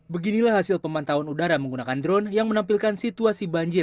beginilah hasil pemantauan udara menggunakan drone yang menampilkan situasi banjir